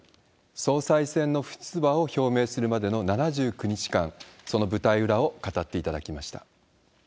総裁選の不出馬を表明するまでの７９日間、その舞台裏を語っていただきました。